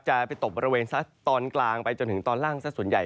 จะไปตกบริเวณซะตอนกลางไปจนถึงตอนล่างสักส่วนใหญ่